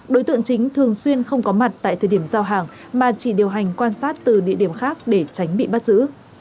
đối tượng chính thường xuyên không có mặt tại thời điểm giao hàng mà chỉ điều hành quan sát từ địa điểm khác để tránh bị bắt giữ